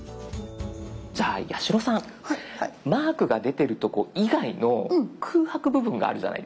じゃあ八代さんマークが出てるとこ以外の空白部分があるじゃないですか。